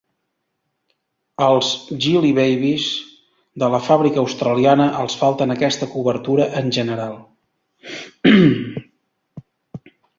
Als Jelly Babies de la fàbrica australiana els falten aquesta cobertura en general.